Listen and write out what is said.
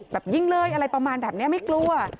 ยิงเลยอะไรประมาณแบบนี้ไม่กลัว